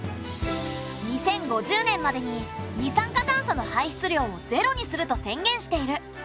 ２０５０年までに二酸化炭素の排出量をゼロにすると宣言している。